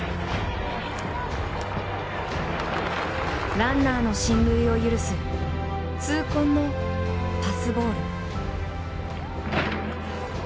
ランナーの進塁を許す痛恨のパスボール。